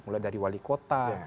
mulai dari wali kota